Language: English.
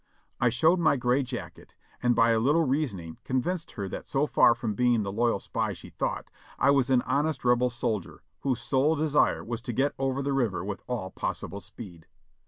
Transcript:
I showed my gray jacket, and by a little reasoning convinced her that so far from being the loyal spy she thought, I was an honest Rebel soldier whose sole desire was to get over the river with all possible speed.